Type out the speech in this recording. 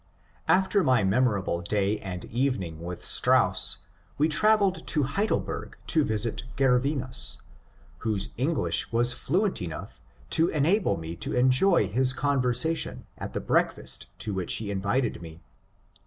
*' After my memorable day and evening with Strauss, we travelled to Heidelberg to visit Gervinus, — whose English was fluent enough to enable me to enjoy his conversation at the breakfast to which he invited me.